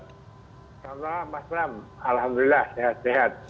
selamat malam pak fahmi alhamdulillah sehat sehat